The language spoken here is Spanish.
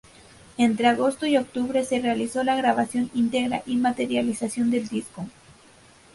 Entre agosto y octubre se realizó la grabación integra y materialización del disco.